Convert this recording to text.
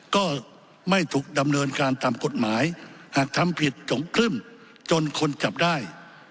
ก็ไม่ถูกดำเนินการตามกฎหมายหากทำผิดจงครึ่มจนคนจับได้